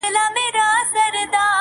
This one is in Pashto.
زموږ به کله د عمرونو رنځ دوا سي-